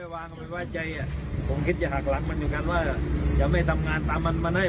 วางไว้ใจผมคิดจะหักหลังมันอยู่กันว่าจะไม่ทำงานตามมันมันให้